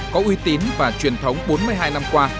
có uy tín và truyền thống bốn mươi hai năm qua